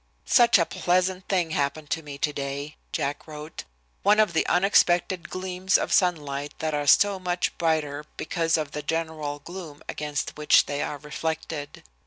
"Such a pleasant thing happened to me today," Jack wrote, "one of the unexpected gleams of sunlight that are so much brighter because of the general gloom against which they are reflected.